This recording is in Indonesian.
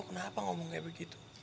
kenapa kamu berbicara seperti itu